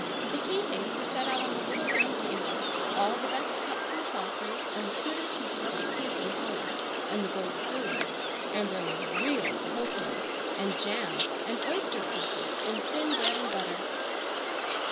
The tea things were set out on the little round table, all the best cups and saucers, and the pewter teapot that came from Holland, and the gold spoons; and there was real cocoa, and jam, and oyster crackers, and thin bread and butter.